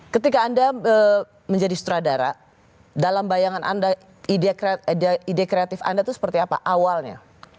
ketika anda menjadi sutradara dalam bayangan anda ide kreatif anda itu seperti apa awalnya